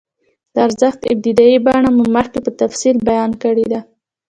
د ارزښت ابتدايي بڼه مو مخکې په تفصیل بیان کړې ده